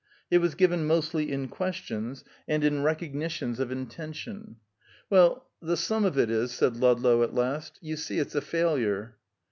It was given mostly in questions, and in recognitions of intention. "Well, the sum of it is," said Ludlow at last, "you see it's a failure."